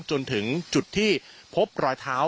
จนถึงจุดที่พบรอยเท้า